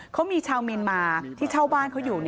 เขามีชาวเมียนมาที่เช่าบ้านเขาอยู่